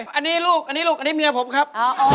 มันอันนี้ลูกณแม่ผมครับ